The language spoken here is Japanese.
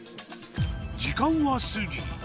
時間は過ぎ